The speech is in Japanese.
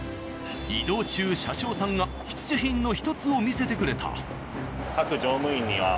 移動中車掌さんが必需品の１つを見せてくれた。